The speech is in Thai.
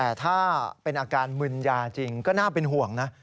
แต่ถ้าเป็นอาการมึนยาจริงก็น่าเป็นห่วงนะ